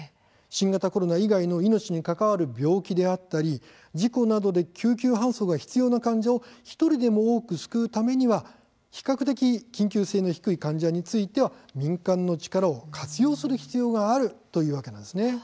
新型コロナ以外の命に関わる病気や事故などで救急搬送が必要な患者を１人でも多く救うためには比較的、緊急性の低い患者については、民間の力を活用する必要があるのです。